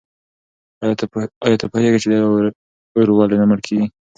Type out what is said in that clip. آیا ته پوهېږې چې دا اور ولې نه مړ کېږي؟